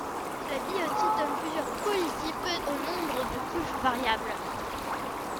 La biotite donne plusieurs polytypes au nombre de couches variable.